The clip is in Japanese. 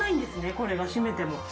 これが閉めても。